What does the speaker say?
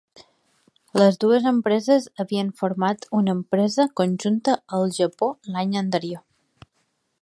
Les dues empreses havien format una empresa conjunta al Japó l'any anterior.